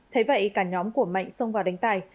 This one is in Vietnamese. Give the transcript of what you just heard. thế vậy cả nhóm của mạnh xông vào đánh tài